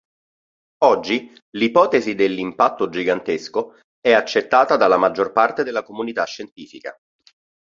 Oggi, l'ipotesi dell"'impatto gigantesco" è accettata dalla maggior parte della comunità scientifica.